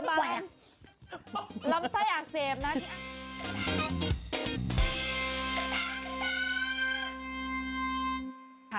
พี่บ้านล้ำไส้อาเซมนะ